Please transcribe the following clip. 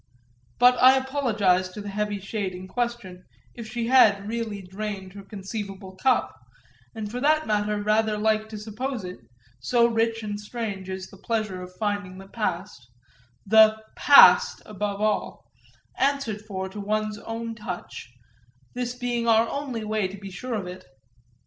But I apologise to the heavy shade in question if she had really drained her conceivable cup, and for that matter rather like to suppose it, so rich and strange is the pleasure of finding the past the Past above all answered for to one's own touch, this being our only way to be sure of it.